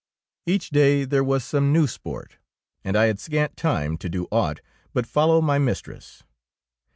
Each day there was some new sport, and I had scant time to do aught but follow my mistress.